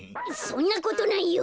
そんなことないよ。